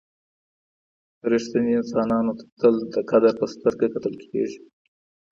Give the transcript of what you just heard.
رښتيني انسانانو ته تل د قدر په سترګه کتل کېږي.